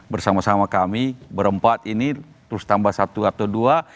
bersama sama kami berempat ini terus tambah satu atau dua